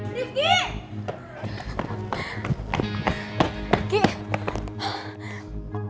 tidak ada pertanyaan